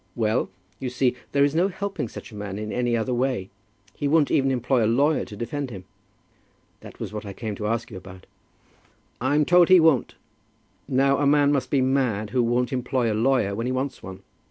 Well, you see, there is no helping such a man in any other way. He won't even employ a lawyer to defend him." "That was what I had come to you about." "I'm told he won't. Now a man must be mad who won't employ a lawyer when he wants one.